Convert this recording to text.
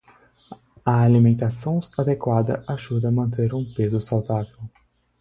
A alimentação adequada ajuda a manter um peso saudável.